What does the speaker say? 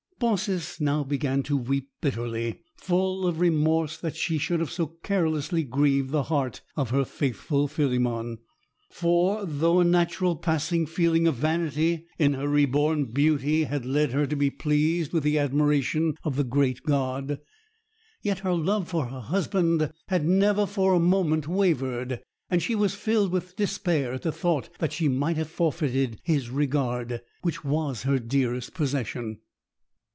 Baucis now began to weep bitterly, full of remorse that she should have so carelessly grieved the heart of her faithful Philemon; for, though a natural passing feeling of vanity in her re born beauty had led her to be pleased with the admiration of the great god, yet her love for her husband had never for a moment wavered, and she was filled with despair at the thought that she might have forfeited his regard, which was her dearest possession.